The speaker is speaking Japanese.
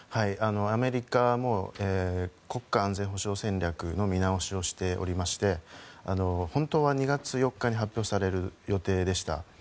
アメリカも国家安全保障戦略の見直しをしていまして本当は２月４日に発表される予定でした。